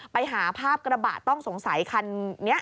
ไปหาภาพกระบะต้องสงสัยคันนี้